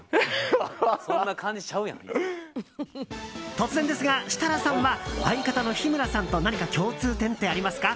突然ですが、設楽さんは相方の日村さんと何か共通点ってありますか？